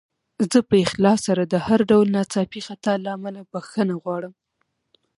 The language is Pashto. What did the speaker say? زه په اخلاص سره د هر ډول ناڅاپي خطا له امله بخښنه غواړم.